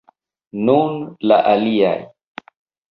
Nun al aliaj!